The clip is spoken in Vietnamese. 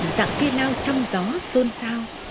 dạng phía nào trong gió xôn xao